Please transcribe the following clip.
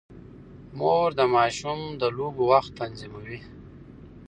مور د ماشوم د لوبو وخت تنظیموي.